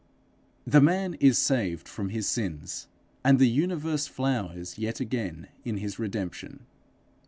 The man is saved from his sins, and the universe flowers yet again in his redemption.